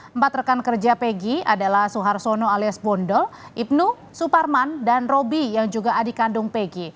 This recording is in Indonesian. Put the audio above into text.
empat rekan kerja pg adalah suhartono alias bondol ibnu suparman dan roby yang juga adik kandung pg